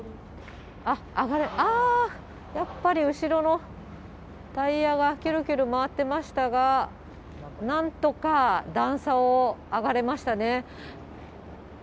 あっ、あー、やっぱり後ろのタイヤがきゅるきゅる回ってましたが、なんとか段差を上がれましたね。